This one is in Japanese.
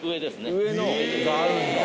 上のがあるんだ。